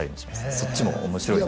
そっちも面白いかな